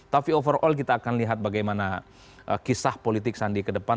tapi overall kita akan lihat bagaimana kisah politik sandi ke depan